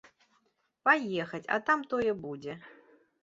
Паехаць, а там тое будзе.